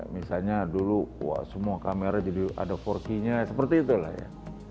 misalnya dulu semua kamera jadi ada empat key nya seperti itulah ya